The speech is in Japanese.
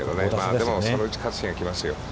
でも、そのうち勝つ日が来ますよ。